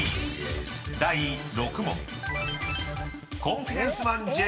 ［第６問］